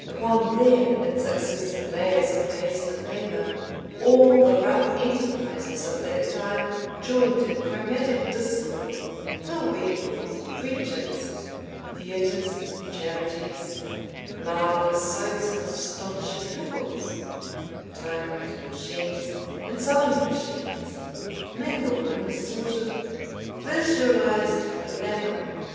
Upon them, in successive layers of paste and paper, all the rough enterprises of that time joined in chromatic discord; pill vendors and preachers, theaters and charities, marvelous soaps and astonishing pickles, typewriting machines and sewing machines, mingled in a sort of visualized clamor.